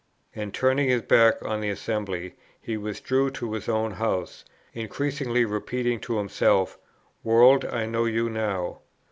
And turning his back on the assembly, he withdrew to his own house, incessantly repeating to himself, 'World, I know you now.'